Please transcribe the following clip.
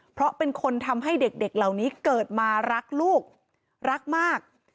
เพราะเป็นคนทำให้เด็กเหล่านี้เกิดมารักลูกรักมาก